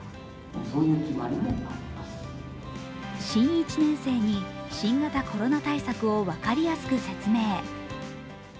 新１年生に新型コロナ対策を分かりやすく説明。